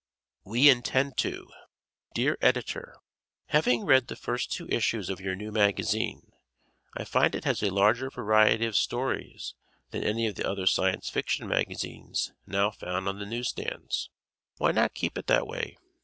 We Intend To Dear Editor: Having read the first two issues of your new magazine, I find it has a larger variety of stories than any of the other Science Fiction magazines now found on the newsstands. Why not keep it that way?